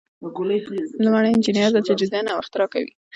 لومړی انجینر دی چې ډیزاین او اختراع کوي.